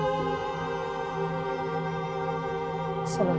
gue ngerasa seperti apa